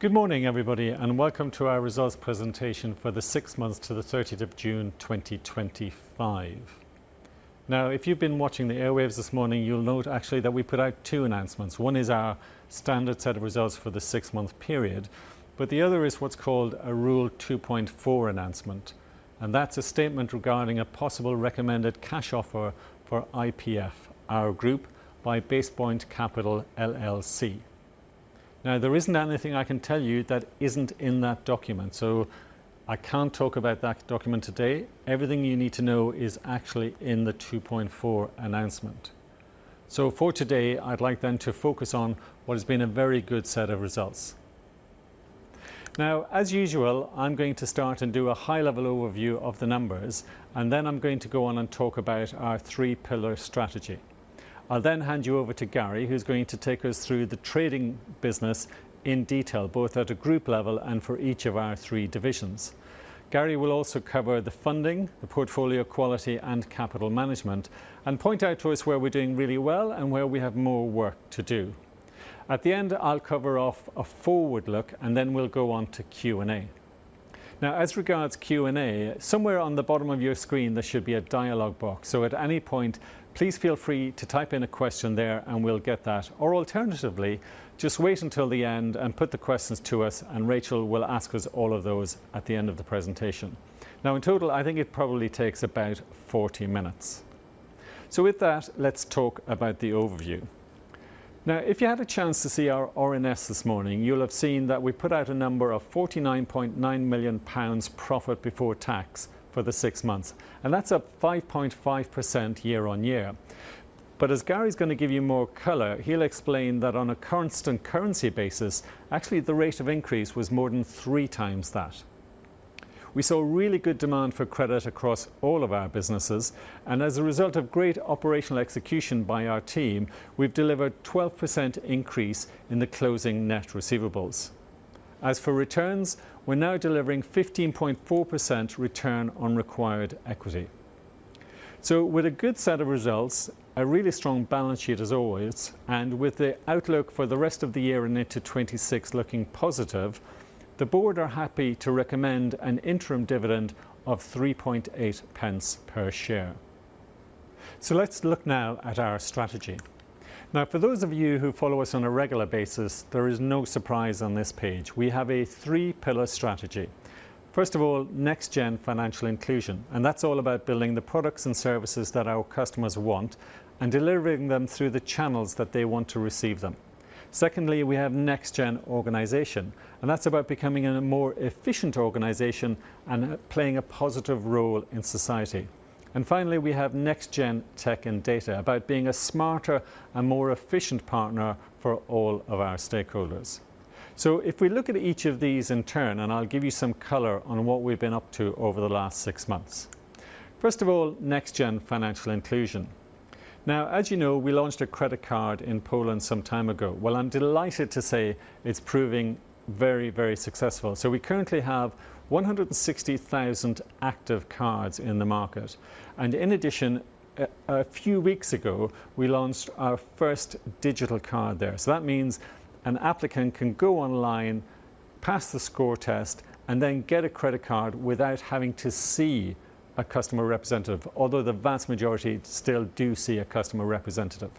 Good morning, everybody, and welcome to our results presentation for the six months to the 30th of June, 2025. Now, if you've been watching the airwaves this morning, you'll note actually that we put out two announcements. One is our standard set of results for the six-month period, but the other is what's called a Rule 2.4 announcement, and that's a statement regarding a possible recommended cash offer for IPF, our group, by Basepoint Capital LLC. There isn't anything I can tell you that isn't in that document, so I can't talk about that document today. Everything you need to know is actually in the 2.4 announcement. For today, I'd like then to focus on what has been a very good set of results. As usual, I'm going to start and do a high-level overview of the numbers, and then I'm going to go on and talk about our three-pillar strategy. I'll then hand you over to Gary Thompson, who's going to take us through the trading business in detail, both at a group level and for each of our three divisions. Gary Thompson will also cover the funding, the portfolio quality, and capital management, and point out to us where we're doing really well and where we have more work to do. At the end, I'll cover off a forward look, and then we'll go on to Q&A. As regards Q&A, somewhere on the bottom of your screen, there should be a dialog box. At any point, please feel free to type in a question there, and we'll get that. Alternatively, just wait until the end and put the questions to us, and Rachel will ask us all of those at the end of the presentation. In total, I think it probably takes about 40 minutes. With that, let's talk about the overview. If you had a chance to see our R&S this morning, you'll have seen that we put out a number of 49.9 million pounds profit before tax for the six months, and that's up 5.5% year-on-year. But as Gary's going to give you more color, he'll explain that on a constant currency basis, actually, the rate of increase was more than three times that. We saw really good demand for credit across all of our businesses, and as a result of great operational execution by our team, we've delivered a 12% increase in the closing net receivables. As for returns, we're now delivering a 15.4% return on required equity. With a good set of results, a really strong balance sheet as always, and with the outlook for the rest of the year in it to 2026 looking positive, the board are happy to recommend an interim dividend of 0.038 per share. Let's look now at our strategy. For those of you who follow us on a regular basis, there is no surprise on this page. We have a three-pillar strategy. First of all, next-gen financial inclusion, and that's all about building the products and services that our customers want and delivering them through the channels that they want to receive them. Secondly, we have next-gen organization, and that's about becoming a more efficient organization and playing a positive role in society. Finally, we have next-gen tech and data about being a smarter and more efficient partner for all of our stakeholders. If we look at each of these in turn, I'll give you some color on what we've been up to over the last six months. First of all, next-gen financial inclusion. As you know, we launched a credit card in Poland some time ago. I'm delighted to say it's proving very, very successful. We currently have 160,000 active cards in the market. In addition, a few weeks ago, we launched our first digital card there. That means an applicant can go online, pass the score test, and then get a credit card without having to see a customer representative, although the vast majority still do see a customer representative.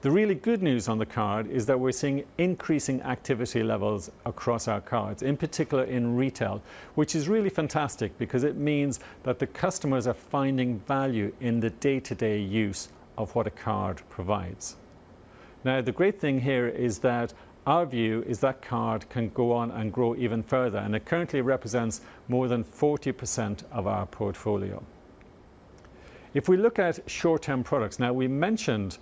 The really good news on the card is that we're seeing increasing activity levels across our cards, in particular in retail, which is really fantastic because it means that the customers are finding value in the day-to-day use of what a card provides. The great thing here is that our view is that card can go on and grow even further, and it currently represents more than 40% of our portfolio. If we look at short-term products, we mentioned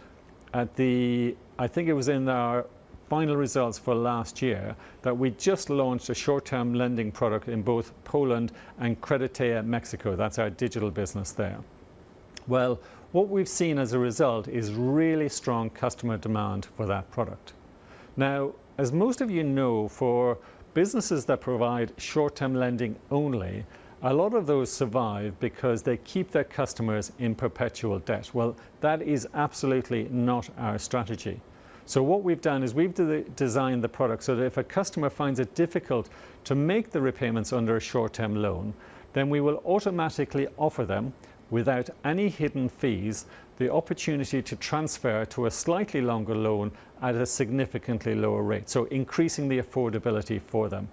at the, I think it was in our final results for last year, that we just launched a short-term lending product in both Poland and Creditea México. That's our digital business there. What we've seen as a result is really strong customer demand for that product. As most of you know, for businesses that provide short-term lending only, a lot of those survive because they keep their customers in perpetual debt. That is absolutely not our strategy. What we've done is we've designed the product so that if a customer finds it difficult to make the repayments under a short-term loan, we will automatically offer them, without any hidden fees, the opportunity to transfer to a slightly longer loan at a significantly lower rate, increasing the affordability for them.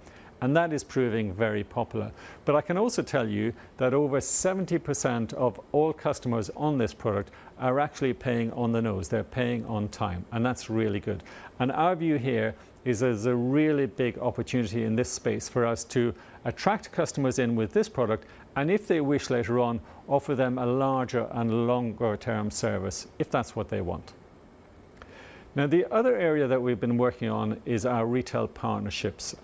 That is proving very popular. I can also tell you that over 70% of all customers on this product are actually paying on the nose. They're paying on time, and that's really good. Our view here is there's a really big opportunity in this space for us to attract customers in with this product, and if they wish later on, offer them a larger and longer-term service if that's what they want. The other area that we've been working on is our retail partnerships.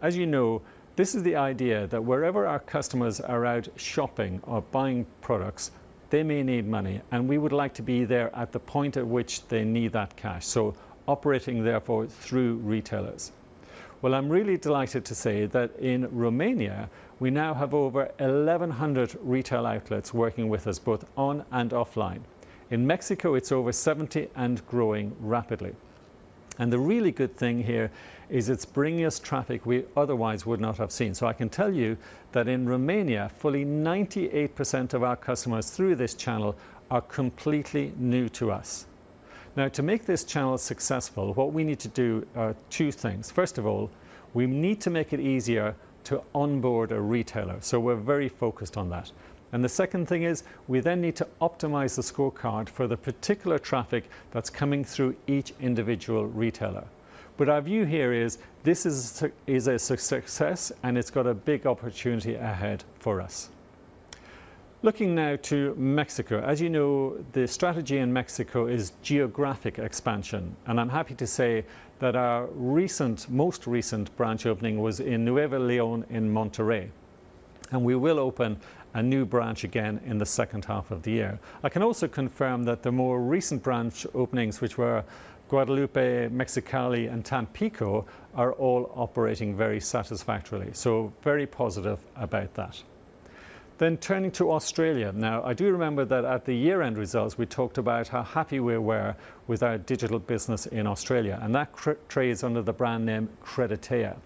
As you know, this is the idea that wherever our customers are out shopping or buying products, they may need money, and we would like to be there at the point at which they need that cash, operating therefore through retailers. I'm really delighted to say that in Romania, we now have over 1,100 retail outlets working with us both on and offline. In Mexico, it's over 70 and growing rapidly. The really good thing here is it's bringing us traffic we otherwise would not have seen. I can tell you that in Romania, fully 98% of our customers through this channel are completely new to us. To make this channel successful, what we need to do are two things. First of all, we need to make it easier to onboard a retailer, so we're very focused on that. The second thing is we then need to optimize the scorecard for the particular traffic that's coming through each individual retailer. Our view here is this is a success, and it's got a big opportunity ahead for us. Looking now to Mexico, as you know, the strategy in Mexico is geographic expansion, and I'm happy to say that our most recent branch opening was in Nueva León in Monterrey, and we will open a new branch again in the second half of the year. I can also confirm that the more recent branch openings, which were Guadalupe, Mexicali, and Tampico, are all operating very satisfactorily, so very positive about that. Turning to Australia, I do remember that at the year-end results, we talked about how happy we were with our digital business in Australia, and that trades under the brand name Creditea.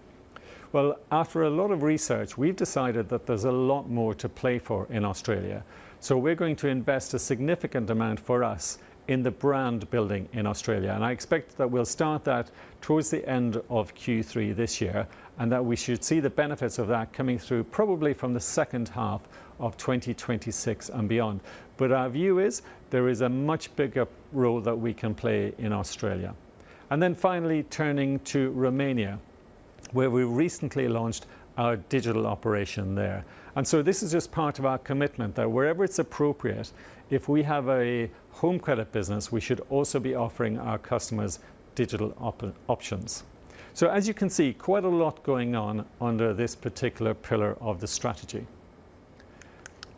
After a lot of research, we've decided that there's a lot more to play for in Australia, so we're going to invest a significant amount for us in the brand building in Australia, and I expect that we'll start that towards the end of Q3 this year, and that we should see the benefits of that coming through probably from the second half of 2026 and beyond. Our view is there is a much bigger role that we can play in Australia. Finally, turning to Romania, where we recently launched our digital operation there. This is just part of our commitment that wherever it's appropriate, if we have a home credit business, we should also be offering our customers digital options. As you can see, quite a lot going on under this particular pillar of the strategy.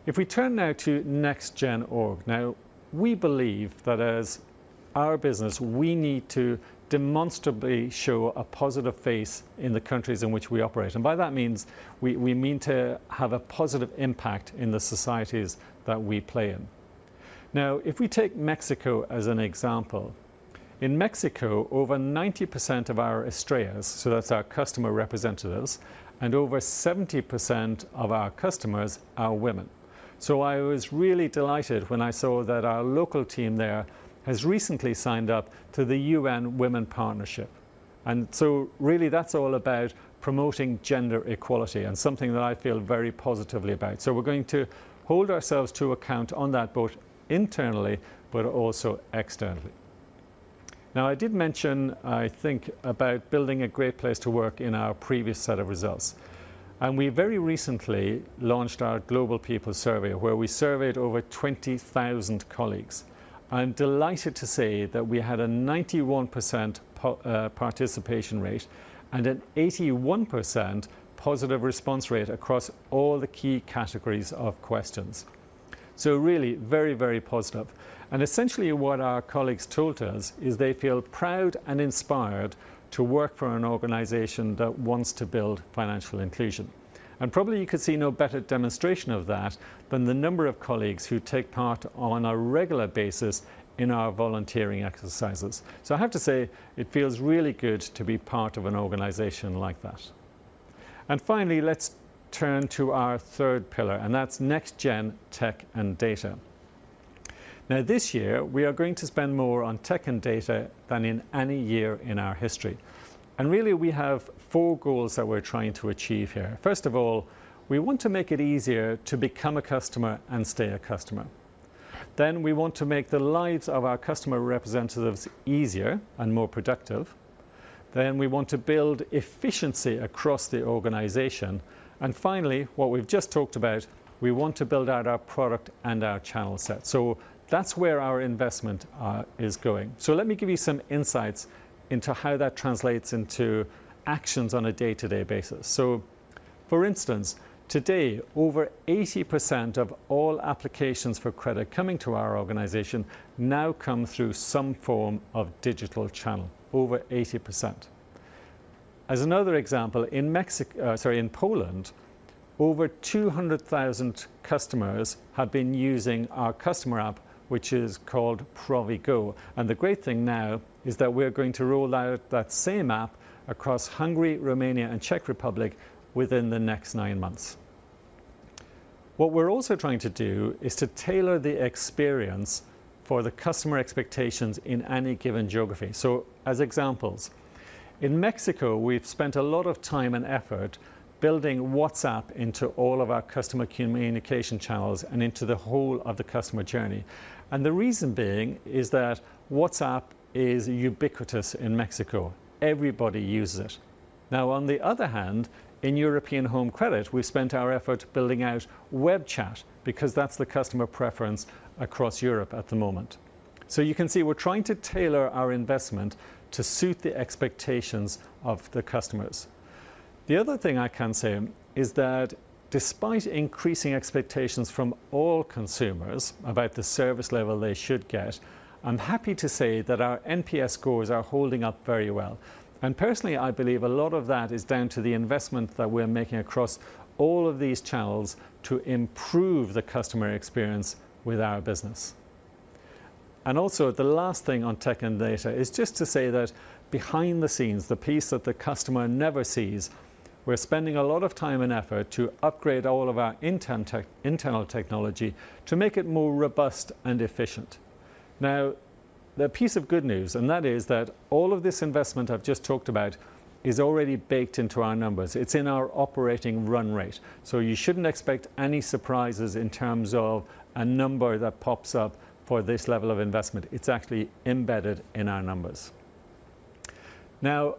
If we turn now to next-gen org, we believe that as our business, we need to demonstrably show a positive face in the countries in which we operate, and by that, we mean to have a positive impact in the societies that we play in. If we take Mexico as an example, in Mexico, over 90% of our estrella, so that's our customer representatives, and over 70% of our customers are women. I was really delighted when I saw that our local team there has recently signed up to the UN Women Partnership. That is all about promoting gender equality and something that I feel very positively about. We're going to hold ourselves to account on that both internally but also externally. I did mention, I think, about building a great place to work in our previous set of results, and we very recently launched our Global People Survey, where we surveyed over 20,000 colleagues. I'm delighted to say that we had a 91% participation rate and an 81% positive response rate across all the key categories of questions. Really, very, very positive. Essentially, what our colleagues told us is they feel proud and inspired to work for an organization that wants to build financial inclusion. Probably you could see no better demonstration of that than the number of colleagues who take part on a regular basis in our volunteering exercises. I have to say, it feels really good to be part of an organization like that. Finally, let's turn to our third pillar, and that's next-gen tech and data. This year, we are going to spend more on tech and data than in any year in our history. We have four goals that we're trying to achieve here. First of all, we want to make it easier to become a customer and stay a customer. Then, we want to make the lives of our customer representatives easier and more productive. We want to build efficiency across the organization. Finally, what we've just talked about, we want to build out our product and our channel set. That's where our investment is going. Let me give you some insights into how that translates into actions on a day-to-day basis. For instance, today, over 80% of all applications for credit coming to our organization now come through some form of digital channel, over 80%. As another example, in Poland, over 200,000 customers have been using our customer app, which is called ProviGo. The great thing now is that we're going to roll out that same app across Hungary, Romania, and Czech Republic within the next nine months. What we're also trying to do is to tailor the experience for the customer expectations in any given geography. As examples, in Mexico, we've spent a lot of time and effort building WhatsApp into all of our customer communication channels and into the whole of the customer journey. The reason being is that WhatsApp is ubiquitous in Mexico. Everybody uses it. On the other hand, in European home credit, we've spent our efforts building out Webchat because that's the customer preference across Europe at the moment. You can see we're trying to tailor our investment to suit the expectations of the customers. The other thing I can say is that despite increasing expectations from all consumers about the service level they should get, I'm happy to say that our NPS scores are holding up very well. Personally, I believe a lot of that is down to the investment that we're making across all of these channels to improve the customer experience with our business. Also, the last thing on tech and data is just to say that behind the scenes, the piece that the customer never sees, we're spending a lot of time and effort to upgrade all of our internal technology to make it more robust and efficient. The piece of good news is that all of this investment I've just talked about is already baked into our numbers. It's in our operating run rate. You shouldn't expect any surprises in terms of a number that pops up for this level of investment. It's actually embedded in our numbers. Now,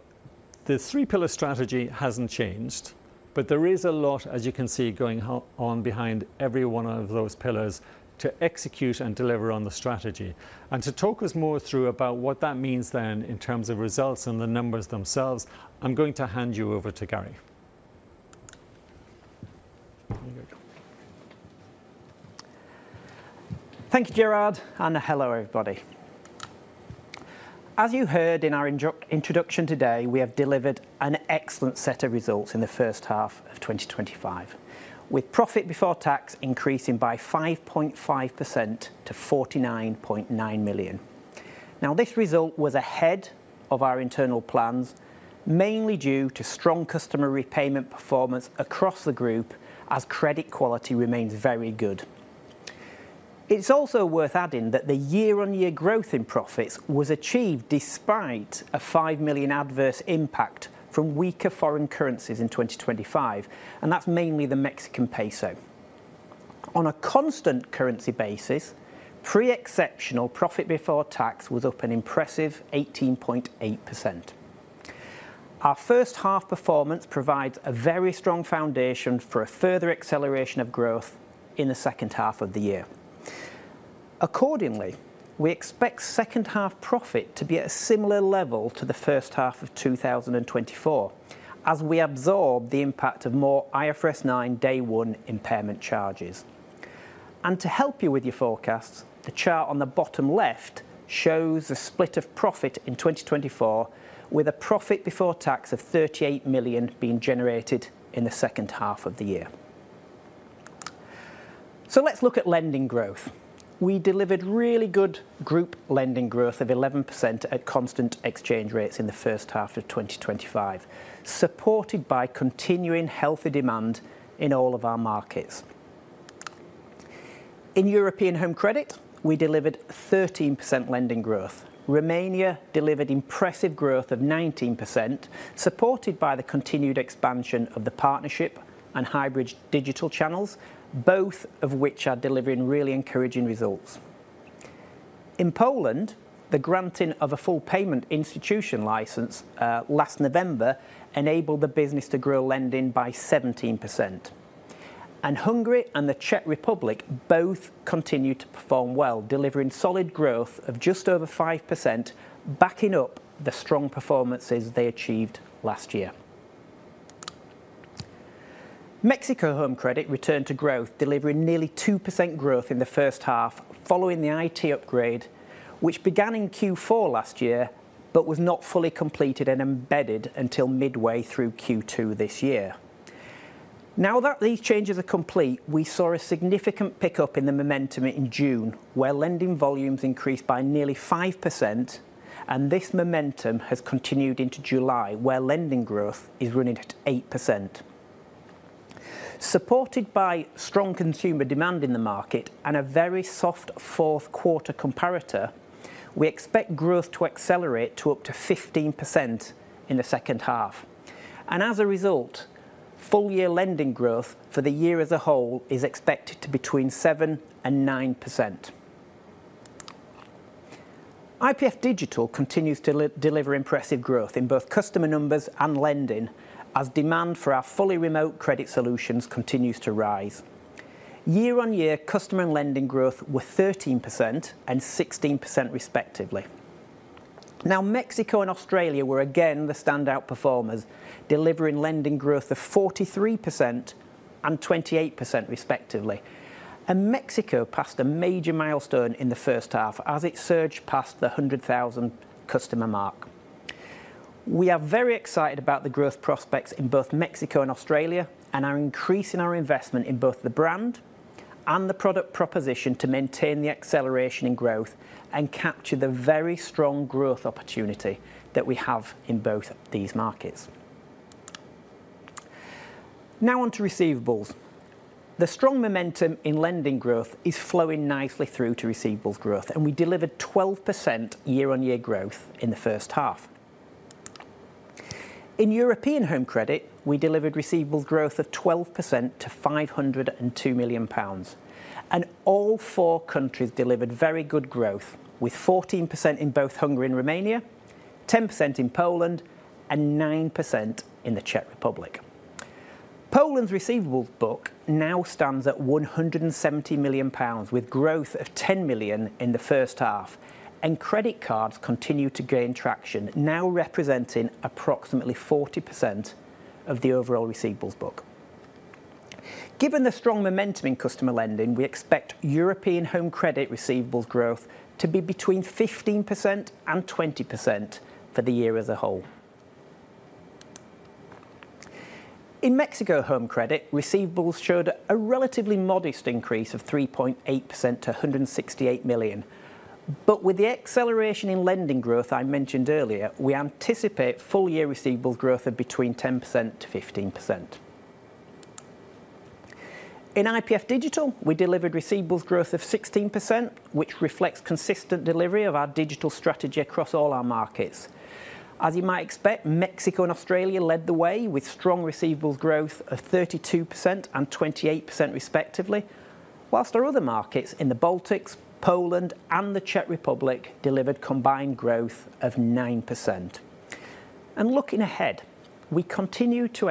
the three-pillar strategy hasn't changed, but there is a lot, as you can see, going on behind every one of those pillars to execute and deliver on the strategy. To talk us more through about what that means then in terms of results and the numbers themselves, I'm going to hand you over to Gary. Thank you, Gerard, and hello, everybody. As you heard in our introduction today, we have delivered an excellent set of results in the first half of 2025, with profit before tax increasing by 5.5% to 49.9 million. This result was ahead of our internal plans, mainly due to strong customer repayment performance across the group, as credit quality remains very good. It's also worth adding that the year-on-year growth in profits was achieved despite a 5 million adverse impact from weaker foreign currencies in 2025, and that's mainly the Mexican peso. On a constant currency basis, pre-exceptional profit before tax was up an impressive 18.8%. Our first half performance provides a very strong foundation for a further acceleration of growth in the second half of the year. Accordingly, we expect second half profit to be at a similar level to the first half of 2024, as we absorb the impact of more IFRS 9 Day 1 impairment charges. To help you with your forecasts, the chart on the bottom left shows a split of profit in 2024, with a profit before tax of 38 million being generated in the second half of the year. Let's look at lending growth. We delivered really good group lending growth of 11% at constant exchange rates in the first half of 2025, supported by continuing healthy demand in all of our markets. In European home credit, we delivered 13% lending growth. Romania delivered impressive growth of 19%, supported by the continued expansion of the partnership and hybrid digital channels, both of which are delivering really encouraging results. In Poland, the granting of a full payment institution license last November enabled the business to grow lending by 17%. Hungary and the Czech Republic both continued to perform well, delivering solid growth of just over 5%, backing up the strong performances they achieved last year. Mexico home credit returned to growth, delivering nearly 2% growth in the first half following the IT upgrade, which began in Q4 last year but was not fully completed and embedded until midway through Q2 this year. Now that these changes are complete, we saw a significant pickup in the momentum in June, where lending volumes increased by nearly 5%, and this momentum has continued into July, where lending growth is running at 8%. Supported by strong consumer demand in the market and a very soft fourth quarter comparator, we expect growth to accelerate to up to 15% in the second half. As a result, full-year lending growth for the year as a whole is expected to be between 7% and 9%. IPF Digital continues to deliver impressive growth in both customer numbers and lending, as demand for our fully remote credit solutions continues to rise. Year-on-year customer and lending growth were 13% and 16%, respectively. Mexico and Australia were again the standout performers, delivering lending growth of 43% and 28%, respectively. Mexico passed a major milestone in the first half as it surged past the 100,000 customer mark. We are very excited about the growth prospects in both Mexico and Australia and are increasing our investment in both the brand and the product proposition to maintain the acceleration in growth and capture the very strong growth opportunity that we have in both these markets. Now on to receivables. The strong momentum in lending growth is flowing nicely through to receivables growth, and we delivered 12% year-on-year growth in the first half. In European home credit, we delivered receivables growth of 12% to 502 million pounds, and all four countries delivered very good growth, with 14% in both Hungary and Romania, 10% in Poland, and 9% in the Czech Republic. Poland's receivables book now stands at 170 million pounds, with growth of 10 million in the first half, and credit cards continue to gain traction, now representing approximately 40% of the overall receivables book. Given the strong momentum in customer lending, we expect European home credit receivables growth to be between 15% and 20% for the year as a whole. In Mexico home credit, receivables showed a relatively modest increase of 3.8% to 168 million, but with the acceleration in lending growth I mentioned earlier, we anticipate full-year receivables growth of between 10% to 15%. In IPF Digital, we delivered receivables growth of 16%, which reflects consistent delivery of our digital strategy across all our markets. As you might expect, Mexico and Australia led the way with strong receivables growth of 32% and 28%, respectively, whilst our other markets in the Baltics, Poland, and the Czech Republic delivered combined growth of 9%. Looking ahead, we continue to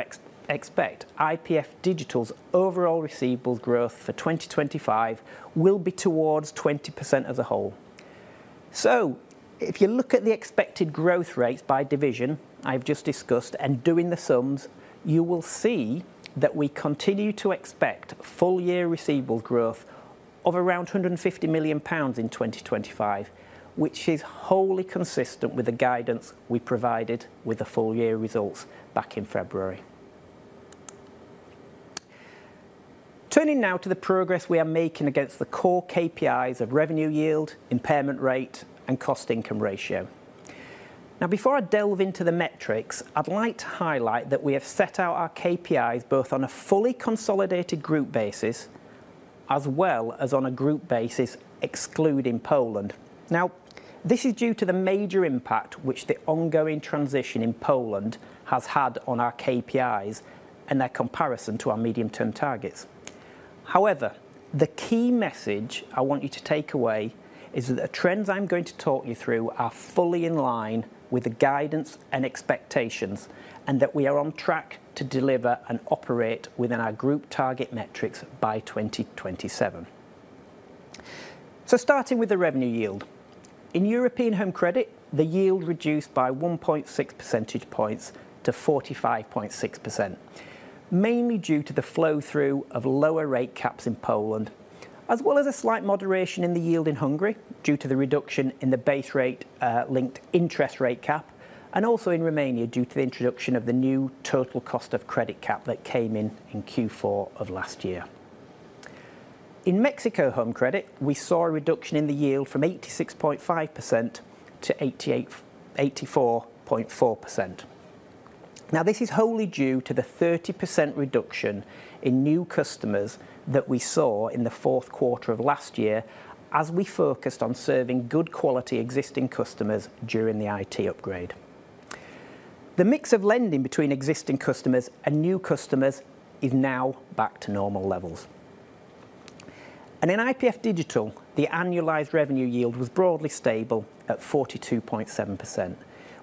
expect IPF Digital's overall receivables growth for 2025 will be towards 20% as a whole. If you look at the expected growth rates by division I've just discussed and doing the sums, you will see that we continue to expect full-year receivables growth of around 150 million pounds in 2025, which is wholly consistent with the guidance we provided with the full-year results back in February. Turning now to the progress we are making against the core KPIs of revenue yield, impairment rate, and cost-income ratio. Before I delve into the metrics, I'd like to highlight that we have set out our KPIs both on a fully consolidated group basis as well as on a group basis excluding Poland. This is due to the major impact which the ongoing transition in Poland has had on our KPIs and their comparison to our medium-term targets. However, the key message I want you to take away is that the trends I'm going to talk you through are fully in line with the guidance and expectations and that we are on track to deliver and operate within our group target metrics by 2027. Starting with the revenue yield. In European home credit, the yield reduced by 1.6 percentage points to 45.6%, mainly due to the flow-through of lower rate caps in Poland, as well as a slight moderation in the yield in Hungary due to the reduction in the base rate linked interest rate cap, and also in Romania due to the introduction of the new total cost of credit cap that came in in Q4 of last year. In Mexico home credit, we saw a reduction in the yield from 86.5% to 84.4%. This is wholly due to the 30% reduction in new customers that we saw in the fourth quarter of last year as we focused on serving good quality existing customers during the IT upgrade. The mix of lending between existing customers and new customers is now back to normal levels. In IPF Digital, the annualized revenue yield was broadly stable at 42.7%,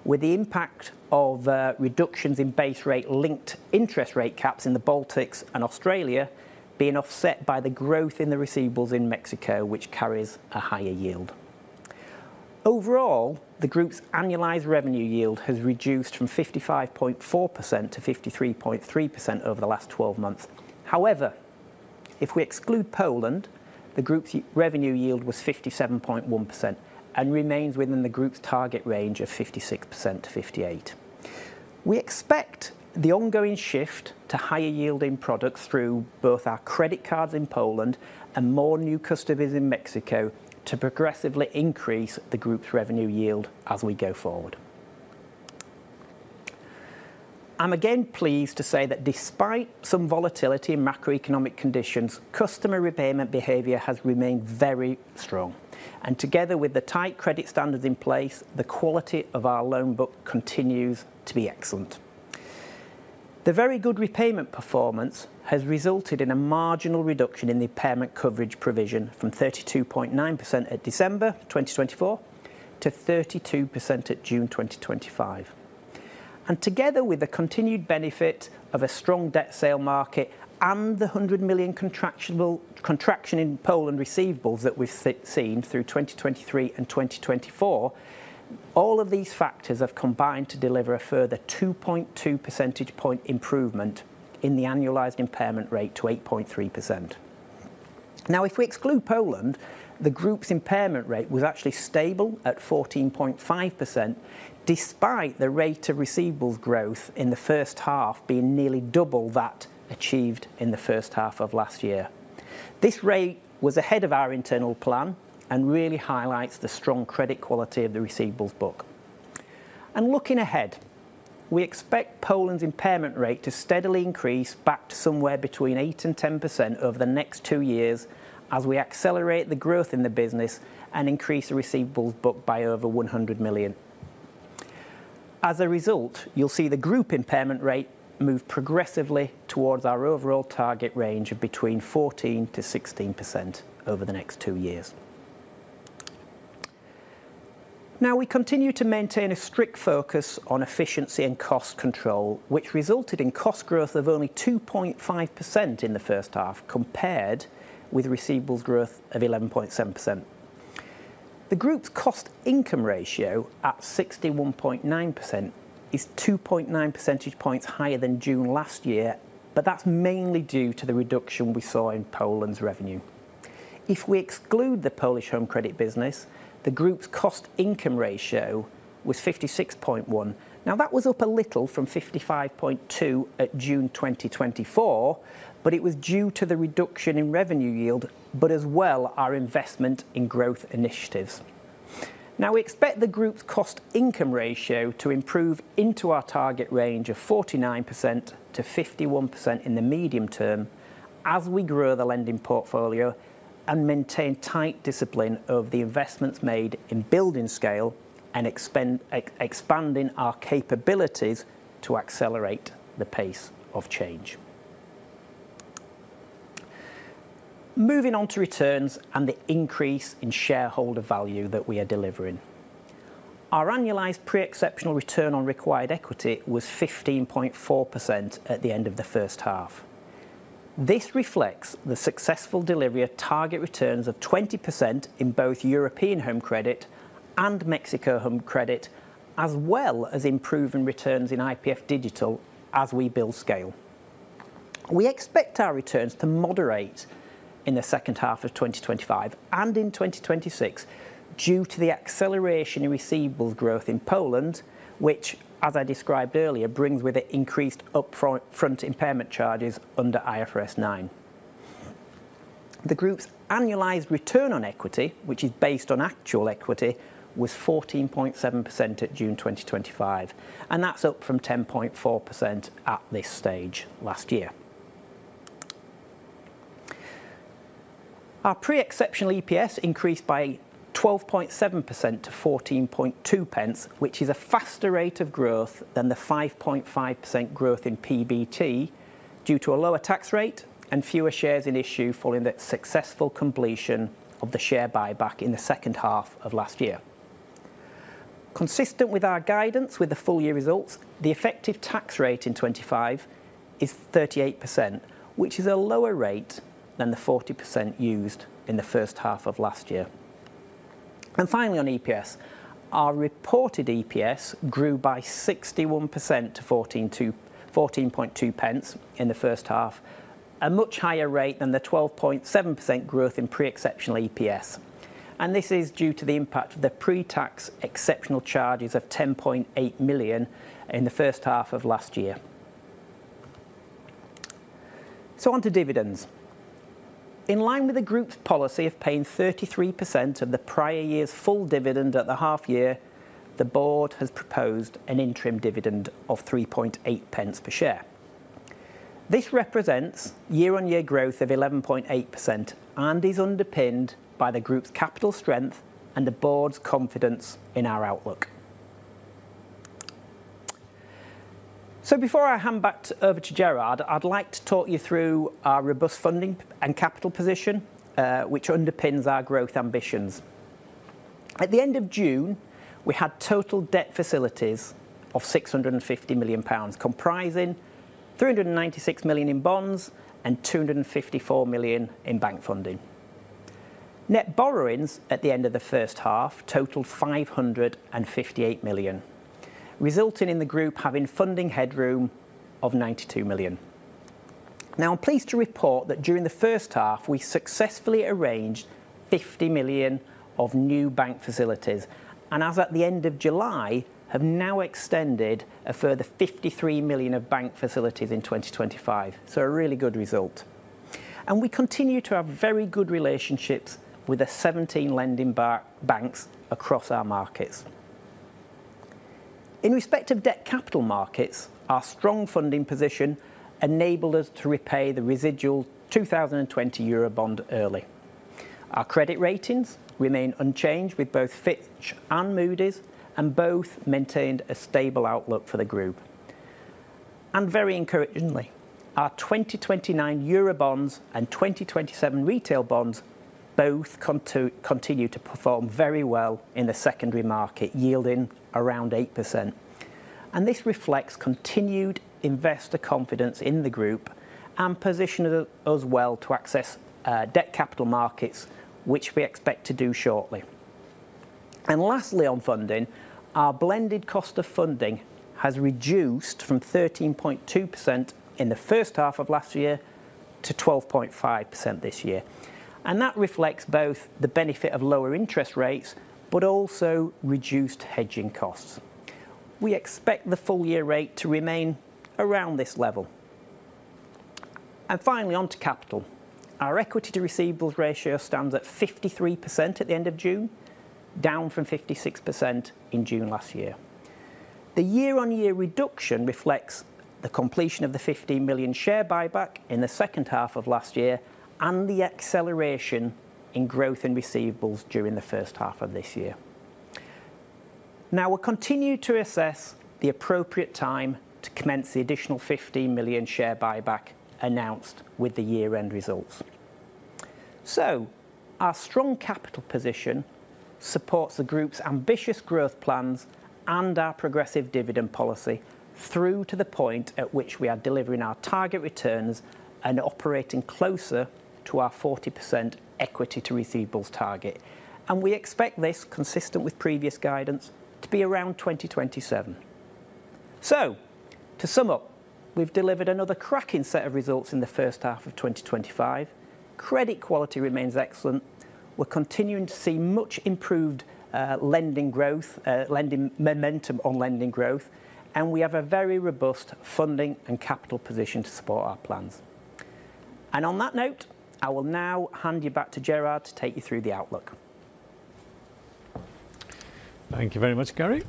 with the impact of reductions in base rate linked interest rate caps in the Baltics and Australia being offset by the growth in the receivables in Mexico, which carries a higher yield. Overall, the group's annualized revenue yield has reduced from 55.4% to 53.3% over the last 12 months. However, if we exclude Poland, the group's revenue yield was 57.1% and remains within the group's target range of 56%-58%. We expect the ongoing shift to higher yielding products through both our credit cards in Poland and more new customers in Mexico to progressively increase the group's revenue yield as we go forward. I'm again pleased to say that despite some volatility in macroeconomic conditions, customer repayment behavior has remained very strong. Together with the tight credit standards in place, the quality of our loan book continues to be excellent. The very good repayment performance has resulted in a marginal reduction in the impairment coverage provision from 32.9% at December 2024 to 32% at June 2025. Together with the continued benefit of a strong debt sale market and the $100 million contraction in Poland receivables that we've seen through 2023 and 2024, all of these factors have combined to deliver a further 2.2 percentage point improvement in the annualized impairment rate to 8.3%. If we exclude Poland, the group's impairment rate was actually stable at 14.5% despite the rate of receivables growth in the first half being nearly double that achieved in the first half of last year. This rate was ahead of our internal plan and really highlights the strong credit quality of the receivables book. Looking ahead, we expect Poland's impairment rate to steadily increase back to somewhere between 8% and 10% over the next two years as we accelerate the growth in the business and increase the receivables book by over 100 million. As a result, you'll see the group impairment rate move progressively towards our overall target range of between 14%-16% over the next two years. We continue to maintain a strict focus on efficiency and cost control, which resulted in cost growth of only 2.5% in the first half compared with receivables growth of 11.7%. The group's cost-income ratio at 61.9% is 2.9 percentage points higher than June last year, but that's mainly due to the reduction we saw in Poland's revenue. If we exclude the Polish home credit business, the group's cost-income ratio was 56.1%. That was up a little from 55.2% at June 2024, but it was due to the reduction in revenue yield, as well as our investment in growth initiatives. We expect the group's cost-income ratio to improve into our target range of 49%-51% in the medium term as we grow the lending portfolio and maintain tight discipline of the investments made in building scale and expanding our capabilities to accelerate the pace of change. Moving on to returns and the increase in shareholder value that we are delivering. Our annualized pre-exceptional return on required equity was 15.4% at the end of the first half. This reflects the successful delivery of target returns of 20% in both European home credit and Mexico home credit, as well as improving returns in IPF Digital as we build scale. We expect our returns to moderate in the second half of 2025 and in 2026 due to the acceleration in receivables growth in Poland, which, as I described earlier, brings with it increased upfront impairment charges under IFRS 9. The group's annualized return on equity, which is based on actual equity, was 14.7% at June 2025, and that's up from 10.4% at this stage last year. Our pre-exceptional EPS increased by 12.7% to 0.142, which is a faster rate of growth than the 5.5% growth in PBT due to a lower tax rate and fewer shares in issue following the successful completion of the share buyback in the second half of last year. Consistent with our guidance with the full-year results, the effective tax rate in 2025 is 38%, which is a lower rate than the 40% used in the first half of last year. Finally, on EPS, our reported EPS grew by 61% to 0.142 in the first half, a much higher rate than the 12.7% growth in pre-exceptional EPS. This is due to the impact of the pre-tax exceptional charges of 10.8 million in the first half of last year. On to dividends. In line with the group's policy of paying 33% of the prior year's full dividend at the half year, the board has proposed an interim dividend of 0.038 per share. This represents year-on-year growth of 11.8% and is underpinned by the group's capital strength and the board's confidence in our outlook. Before I hand back over to Gerard, I'd like to talk you through our robust funding and capital position, which underpins our growth ambitions. At the end of June, we had total debt facilities of 650 million pounds, comprising 396 million in bonds and 254 million in bank funding. Net borrowings at the end of the first half totaled 558 million, resulting in the group having funding headroom of 92 million. I'm pleased to report that during the first half, we successfully arranged 50 million of new bank facilities and, as at the end of July, have now extended a further 53 million of bank facilities in 2025, so a really good result. We continue to have very good relationships with the 17 lending banks across our markets. In respect of debt capital markets, our strong funding position enabled us to repay the residual 2020 euro bond early. Our credit ratings remain unchanged with both Fitch and Moody’s, and both maintained a stable outlook for the group. Very encouragingly, our 2029 euro bonds and 2027 retail bonds both continue to perform very well in the secondary market, yielding around 8%. This reflects continued investor confidence in the group and positions us well to access debt capital markets, which we expect to do shortly. Lastly, on funding, our blended cost of funding has reduced from 13.2% in the first half of last year to 12.5% this year. That reflects both the benefit of lower interest rates but also reduced hedging costs. We expect the full-year rate to remain around this level. Finally, on to capital. Our equity-to-receivables ratio stands at 53% at the end of June, down from 56% in June last year. The year-on-year reduction reflects the completion of the 15 million share buyback in the second half of last year and the acceleration in growth in receivables during the first half of this year. We’ll continue to assess the appropriate time to commence the additional 15 million share buyback announced with the year-end results. Our strong capital position supports the group’s ambitious growth plans and our progressive dividend policy through to the point at which we are delivering our target returns and operating closer to our 40% equity-to-receivables target. We expect this, consistent with previous guidance, to be around 2027. To sum up, we’ve delivered another cracking set of results in the first half of 2025. Credit quality remains excellent. We’re continuing to see much improved lending growth, lending momentum on lending growth, and we have a very robust funding and capital position to support our plans. On that note, I will now hand you back to Gerard to take you through the outlook. Thank you very much, Gary.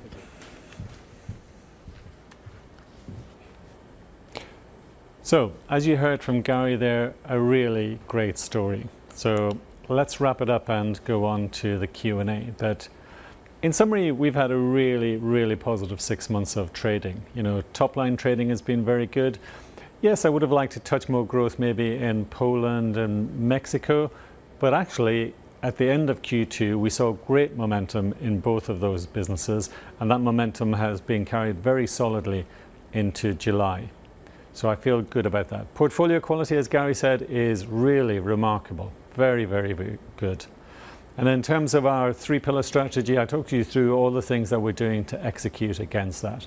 As you heard from Gary there, a really great story. Let's wrap it up and go on to the Q&A. In summary, we've had a really, really positive six months of trading. You know, top-line trading has been very good. Yes, I would have liked a touch more growth maybe in Poland and Mexico, but actually, at the end of Q2, we saw great momentum in both of those businesses, and that momentum has been carried very solidly into July. I feel good about that. Portfolio quality, as Gary said, is really remarkable, very, very good. In terms of our three-pillar strategy, I talked you through all the things that we're doing to execute against that.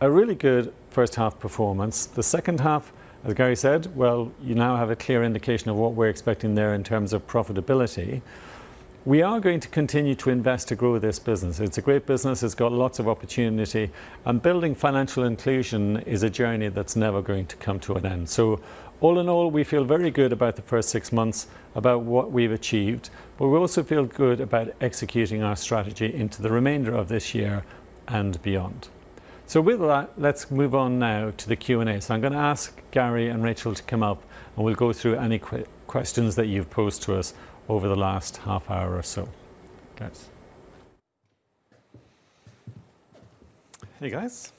A really good first half performance. The second half, as Gary said, you now have a clear indication of what we're expecting there in terms of profitability. We are going to continue to invest to grow this business. It's a great business. It's got lots of opportunity, and building financial inclusion is a journey that's never going to come to an end. All in all, we feel very good about the first six months, about what we've achieved, but we also feel good about executing our strategy into the remainder of this year and beyond. With that, let's move on now to the Q&A. I'm going to ask Gary and Rachel to come up, and we'll go through any questions that you've posed to us over the last half hour or so. Guys. Hey, guys.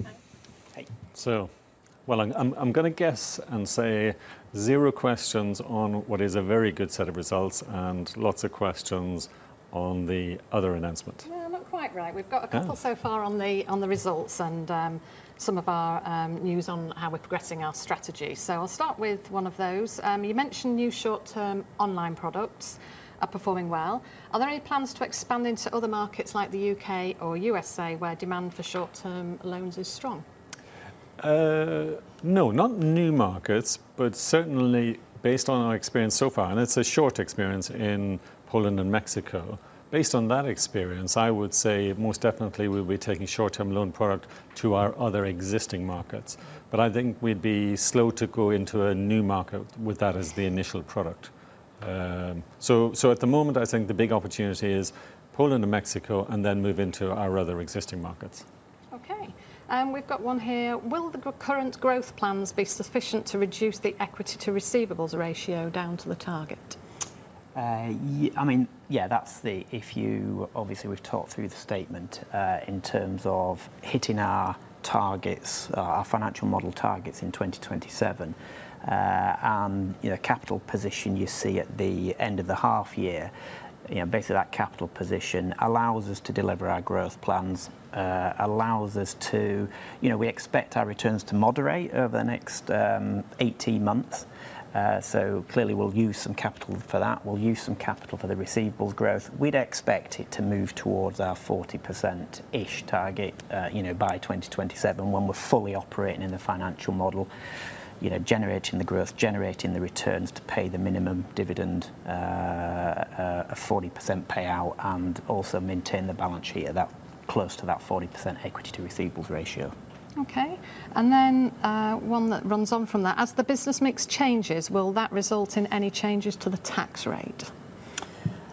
Hey. I'm going to guess and say zero questions on what is a very good set of results and lots of questions on the other announcement. Right. We've got a couple so far on the results and some of our news on how we're progressing our strategy. I'll start with one of those. You mentioned new short-term online products are performing well. Are there any plans to expand into other markets like the U.K. or U.S.A. where demand for short-term loans is strong? No, not new markets, but certainly based on our experience so far, and it's a short experience in Poland and Mexico. Based on that experience, I would say most definitely we'll be taking short-term online products to our other existing markets. I think we'd be slow to go into a new market with that as the initial product. At the moment, I think the big opportunity is Poland and Mexico, and then move into our other existing markets. Will the current growth plans be sufficient to reduce the equity-to-receivables ratio down to the target? I mean, yeah, that's the, if you, obviously, we've talked through the statement in terms of hitting our targets, our financial model targets in 2027. The capital position you see at the end of the half year, you know, basically that capital position allows us to deliver our growth plans, allows us to, you know, we expect our returns to moderate over the next 18 months. Clearly, we'll use some capital for that. We'll use some capital for the receivables growth. We'd expect it to move towards our 40%-ish target, you know, by 2027, when we're fully operating in the financial model, generating the growth, generating the returns to pay the minimum dividend, a 40% payout, and also maintain the balance sheet close to that 40% equity-to-receivables ratio. Okay. One that runs on from that, as the business mix changes, will that result in any changes to the tax rate?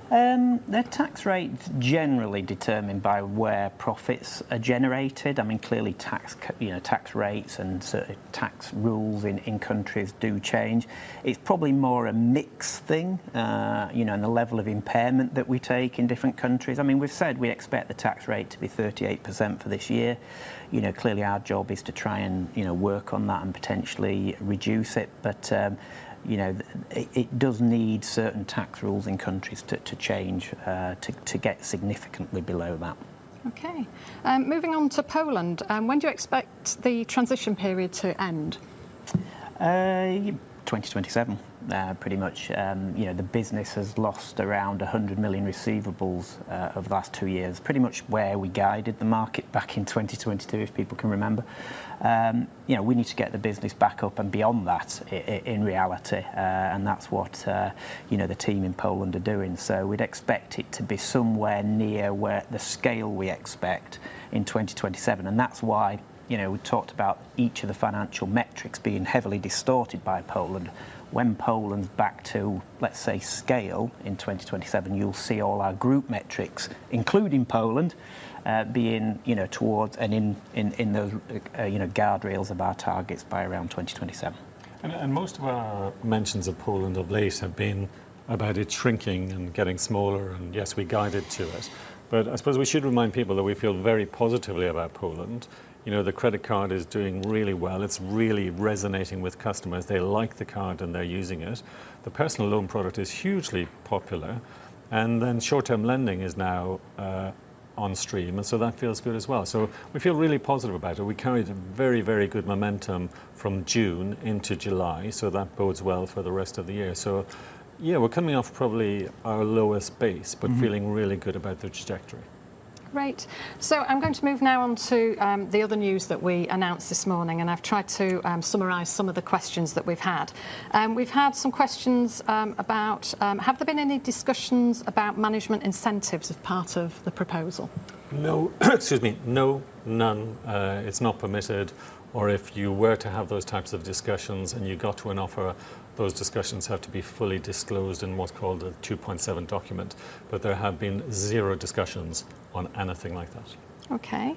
The tax rate is generally determined by where profits are generated. Clearly, tax rates and certain tax rules in countries do change. It's probably more a mixed thing, and the level of impairment that we take in different countries. We've said we expect the tax rate to be 38% for this year. Clearly, our job is to try and work on that and potentially reduce it. It does need certain tax rules in countries to change to get significantly below that. Okay. Moving on to Poland, when do you expect the transition period to end? 2027, pretty much. The business has lost around 100 million receivables over the last two years, pretty much where we guided the market back in 2022, if people can remember. We need to get the business back up and beyond that in reality, and that's what the team in Poland are doing. We'd expect it to be somewhere near the scale we expect in 2027. That's why we talked about each of the financial metrics being heavily distorted by Poland. When Poland's back to, let's say, scale in 2027, you'll see all our group metrics, including Poland, being towards and in those guardrails of our targets by around 2027. Most of our mentions of Poland of late have been about it shrinking and getting smaller. Yes, we guide it to it. I suppose we should remind people that we feel very positively about Poland. The credit card is doing really well. It's really resonating with customers. They like the card and they're using it. The personal loan product is hugely popular, and short-term online lending products are now on stream. That feels good as well. We feel really positive about it. We carried very, very good momentum from June into July, which bodes well for the rest of the year. We're coming off probably our lowest base, but feeling really good about the trajectory. Right. I'm going to move now on to the other news that we announced this morning. I've tried to summarize some of the questions that we've had. We've had some questions about, have there been any discussions about management incentives as part of the proposal? No, none. It's not permitted. If you were to have those types of discussions and you got to an offer, those discussions have to be fully disclosed in what's called a 2.7 document. There have been zero discussions on anything like that. Okay.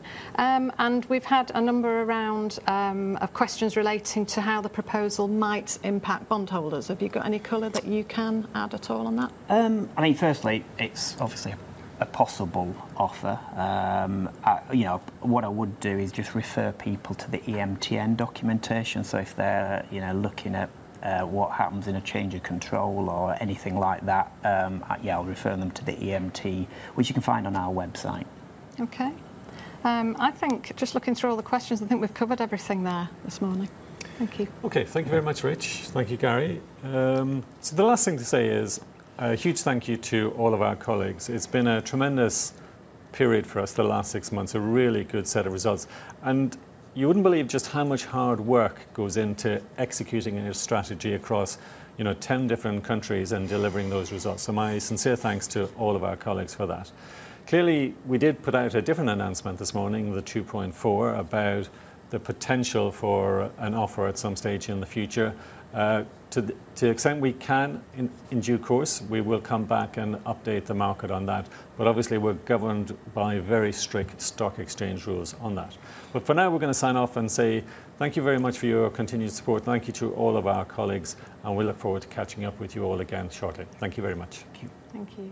We've had a number of questions relating to how the proposal might impact bondholders. Have you got any color that you can add at all on that? Firstly, it's obviously a possible offer. What I would do is just refer people to the EMTN documentation. If they're looking at what happens in a change of control or anything like that, I'll refer them to the EMTN, which you can find on our website. Okay. I think just looking through all the questions, I think we've covered everything there this morning. Thank you. Okay. Thank you very much, Rch. Thank you, Gary. The last thing to say is a huge thank you to all of our colleagues. It's been a tremendous period for us the last six months, a really good set of results. You wouldn't believe just how much hard work goes into executing a new strategy across 10 different countries and delivering those results. My sincere thanks to all of our colleagues for that. Clearly, we did put out a different announcement this morning, the 2.4, about the potential for an offer at some stage in the future. To the extent we can in due course, we will come back and update the market on that. Obviously, we're governed by very strict stock exchange rules on that. For now, we're going to sign off and say thank you very much for your continued support. Thank you to all of our colleagues, and we look forward to catching up with you all again shortly. Thank you very much. Thank you.